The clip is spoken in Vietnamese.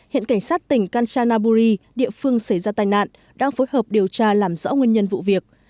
hiện cảnh sát tỉnh kanchanaburi địa phương xảy ra tai nạn đang phối hợp điều tra làm rõ nguyên nhân vụ việc